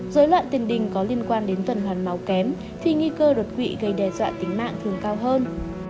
rối loạn tiền đình có liên quan đến tuần hoàn máu kém thì nguy cơ đột quỵ gây đe dọa tính mạng thường cao hơn